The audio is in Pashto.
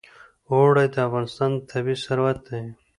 اوړي د افغانستان طبعي ثروت دی.